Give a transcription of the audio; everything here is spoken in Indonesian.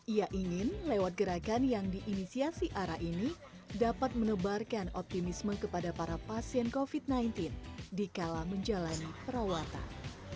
ia ingin lewat gerakan yang diinisiasi ara ini dapat menebarkan optimisme kepada para pasien covid sembilan belas dikala menjalani perawatan